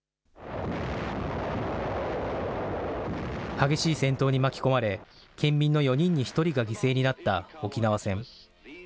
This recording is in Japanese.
激しい戦闘に巻き込まれ、県民の４人に１人が犠牲になった沖縄戦。